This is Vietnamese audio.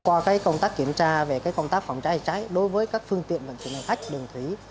qua công tác kiểm tra về công tác phòng cháy cháy đối với các phương tiện vận chuyển hành khách đường thủy